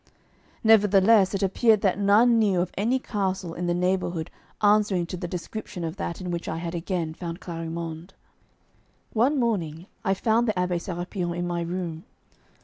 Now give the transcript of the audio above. Nevertheless it appeared that none knew of any castle in the neighbourhood answering to the description of that in which I had again found Clarimonde. One morning I found the Abbé Sérapion in my room.